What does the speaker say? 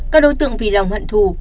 các đối tượng vì lòng hận thù